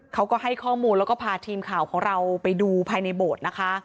เขาก็ให้ข้อมูลแล้วก็พาทีมข่าวของเราไปดูภายในโบสถ์นะคะ